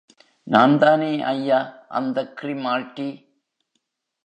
நான்தானே ஐயா, அந்தக் க்ரிமால்டி!